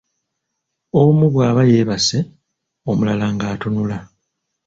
Omu bw'aba yeebase, omulala ng'atunula.